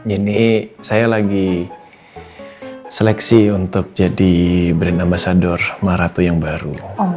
ini saya lagi seleksi untuk jadi brand ambasador marath yang baru